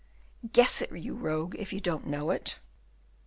"Guess it, you rogue, if you don't know it."